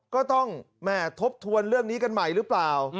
ก็ต้องแม่ทบทวนเรื่องนี้กันใหม่หรือเปล่า